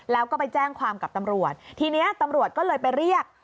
แล้วก็ไปแจ้งความกับตำรวจทีนี้ตำรวจก็เลยไปเรียก